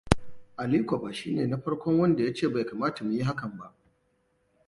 Aliko ba shine na farkon wanda ya ce bai kamata mu yi hakan ba.